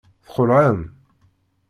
Txelɛem?